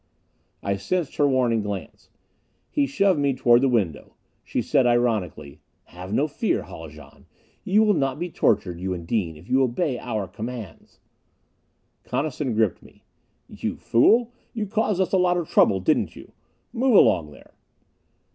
I sensed her warning glance. She shoved me toward the window. She said ironically, "Have no fear, Haljan. You will not be tortured, you and Dean, if you obey our commands." Coniston gripped me. "You fool! You caused us a lot of trouble, didn't you? Move along there!"